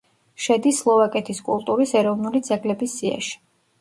შედის სლოვაკეთის კულტურის ეროვნული ძეგლების სიაში.